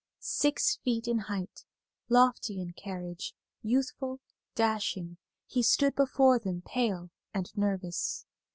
Six feet in height, lofty in carriage, youthful, dashing, he stood before them pale and nervous.